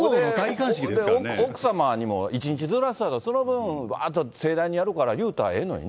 奥様にも１日ずらすけど、その分、盛大にやるから言うたらええのにね。